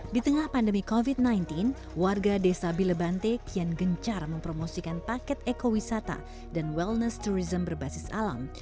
di tengah pandemi covid sembilan belas warga desa bilebante kian gencar mempromosikan paket ekowisata dan wellness tourism berbasis alam